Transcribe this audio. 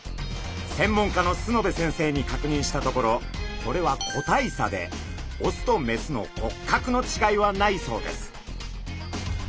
専門家の須之部先生に確認したところこれは個体差でオスとメスの骨格の違いはないそうです。